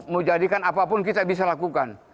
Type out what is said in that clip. menjadikan apapun kita bisa lakukan